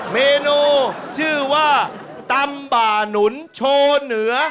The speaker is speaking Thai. เมนูชื่อว่าตำบ่านุนโชว์เหนือ